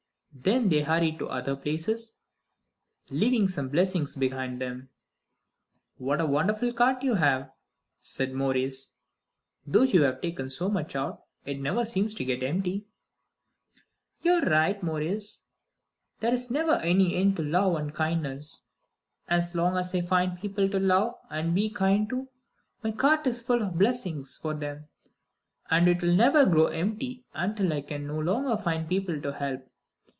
Then they hurried to other places, leaving some blessing behind them. "What a wonderful cart you have," said Maurice; "though you have taken so much out, it never seems to get empty." "You are right, Maurice, there is never any end to love and kindness. As long as I find people to love and be kind to, my cart is full of blessings for them; and it will never grow empty until I can no longer find people to help.